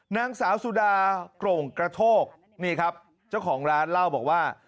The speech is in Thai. นางสาวสุดาโกร่งกระโทกนี่ครับเจ้าของร้านเล่าบอกว่า